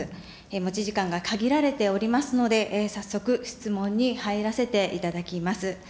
持ち時間が限られておりますので、早速、質問に入らせていただきます。